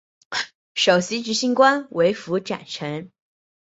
首席执行官为符展成。